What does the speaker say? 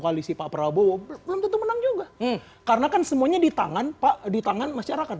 koalisi pak prabowo belum tentu menang juga karena kan semuanya di tangan pak di tangan masyarakat